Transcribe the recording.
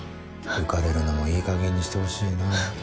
浮かれるのもいい加減にしてほしいな。